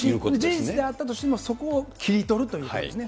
事実であったとしても、そこを切り取るということですね。